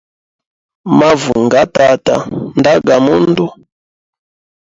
Mavu nga tata nda ga mundu.